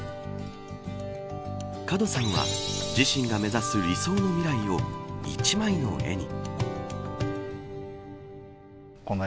門さんは自身が目指す理想の未来を一枚の絵に。